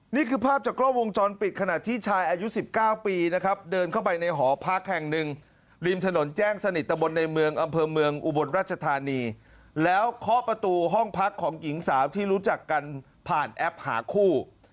นี่คือภาพจากกล้องวงจรปิดขณะที่ชายอายุ๑๙ปีนะครับเดินเข้าไปในหอพักแห่งหนึ่งริมถนนแจ้งสนิทตะบนในเมืองอำเภอเมืองอุบลรัชธานีแล้วเคาะประตูห้องพักของหญิงสาวที่รู้จักกันผ่านแอปหาคู่